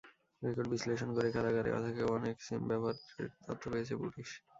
Record বিশ্লেষণ করে কারাগারে থেকেও অনেক সিম ব্যবহারের তথ্য পেয়েছে পুলিশ।